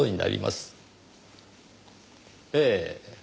ええ。